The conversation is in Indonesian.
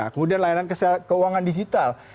kemudian layanan keuangan digital